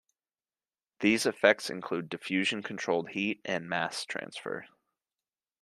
These effects include diffusion-controlled heat and mass transfer.